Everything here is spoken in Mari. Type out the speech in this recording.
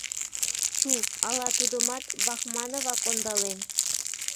Чу, ала тудымат Бахмановак ондален?